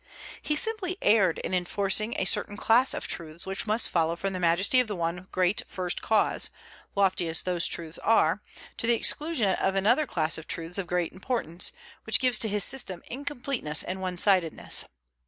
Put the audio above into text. He simply erred in enforcing a certain class of truths which must follow from the majesty of the one great First Cause, lofty as these truths are, to the exclusion of another class of truths of great importance; which gives to his system incompleteness and one sidedness.